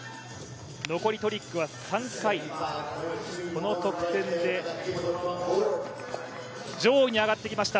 残りトリックは３回、この得点で上位に上がってきました。